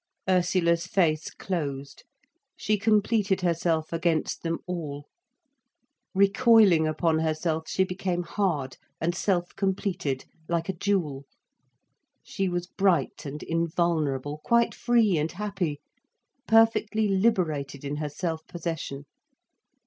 Ursula's face closed, she completed herself against them all. Recoiling upon herself, she became hard and self completed, like a jewel. She was bright and invulnerable, quite free and happy, perfectly liberated in her self possession.